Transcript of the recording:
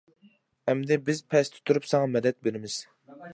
ئەمدى بىز پەستە تۇرۇپ ساڭا مەدەت بىرىمىز.